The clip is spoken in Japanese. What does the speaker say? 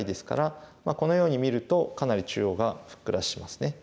このように見るとかなり中央がふっくらしますね。